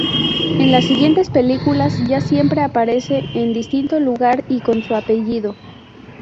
En las siguientes películas ya siempre aparece en distinto lugar y con su apellido.